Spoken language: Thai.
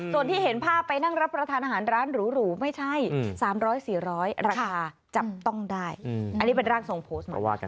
ส่วนที่เห็นภาพไปนั่งรับประทานอาหารร้านหรูไม่ใช่๓๐๐๔๐๐ราคาจับต้องได้อันนี้เป็นร่างทรงโพสต์มาว่ากัน